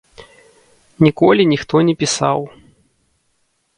Ніколі ніхто не пісаў.